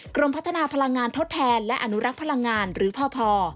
กรมพัฒนาพลังงานทดแทนและอนุรักษ์พลังงานหรือพอ